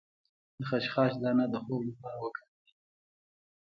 د خشخاش دانه د خوب لپاره وکاروئ